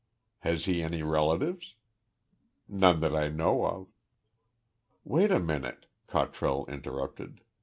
"Has he any relatives?" "None that I know of " "Wait a minute," Cottrell interrupted.